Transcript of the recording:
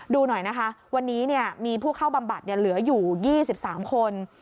ดูหน่อยนะคะวันนี้มีผู้เข้าบำบัดเหลืออยู่๒๓คน